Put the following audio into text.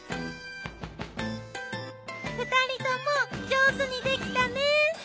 ２人とも上手にできたね。